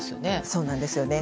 そうなんですね。